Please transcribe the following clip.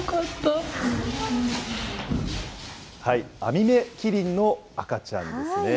アミメキリンの赤ちゃんですね。